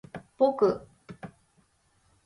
ぼく